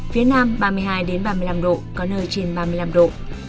phía nam ba mươi hai ba mươi năm độ vùng núi có nơi trên ba mươi năm độ